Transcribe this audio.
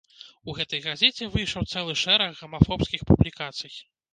У гэтай газеце выйшаў цэлы шэраг гамафобскіх публікацый.